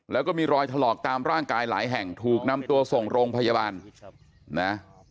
แล้วก็มีรอยถลอกตามร่างกายหลายแห่งถูกนำตัวส่งโรงพยาบาลนะ